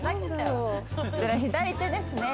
左手ですね。